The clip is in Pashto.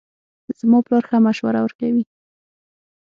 زما پلار ښه مشوره ورکوي